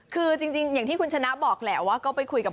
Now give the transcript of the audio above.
คือจริงอย่างที่คุณชนะบอกแหละว่าก็ไปคุยกับ